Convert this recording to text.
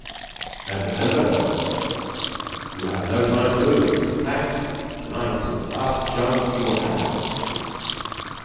"And remember, Velmont, you have no time to lose; in fact, to night is the last chance you will have."